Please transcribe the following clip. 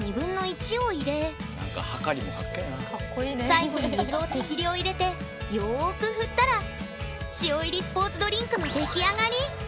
最後に水を適量入れてよーく振ったら「塩」入りスポーツドリンクの出来上がり！